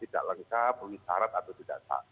tidak lengkap misarat atau tidak